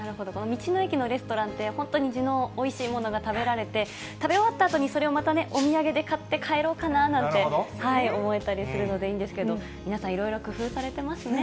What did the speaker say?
道の駅のレストランって、本当に地のおいしいものが食べられて、食べ終わったあとにそれをまたね、お土産で買って帰ろうかななんて思えたりするのでいいんですけど、皆さん、いろいろ工夫されていますね。